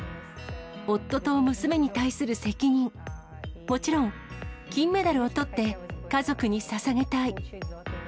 夫と娘に対する責任、もちろん、金メダルをとって家族にささげたい。